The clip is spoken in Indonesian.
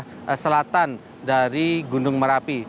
ke sisi sebelah selatan dari gunung merapi